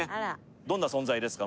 どんな存在ですか？